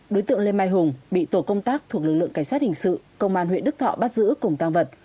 đối tượng lê mai hùng bị tổ công tác thuộc lực lượng cảnh sát hình sự công an huyện đức thọ bắt giữ cùng tăng vật